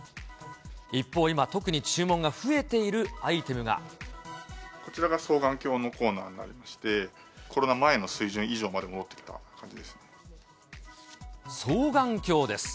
一方、今、特に注文が増えているこちらが双眼鏡のコーナーになりまして、コロナ前の水準以上まで戻ってきた感じです。